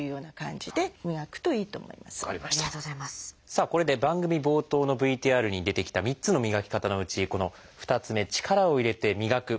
さあこれで番組冒頭のＶＴＲに出てきた３つの磨き方のうちこの２つ目「力を入れて磨く」